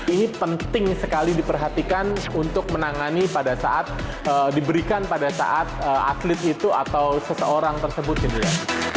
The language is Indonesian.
ini penting sekali diperhatikan untuk menangani pada saat diberikan pada saat atlet itu atau seseorang tersebut gitu ya